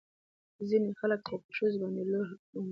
ځينې خلق خو په ښځو باندې لو هم کوي.